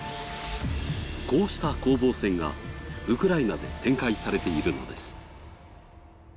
こうした攻防戦がウクライナで展開されているのです。